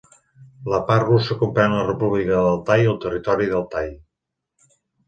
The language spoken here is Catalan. La part russa comprèn la República d'Altai i el territori d'Altai.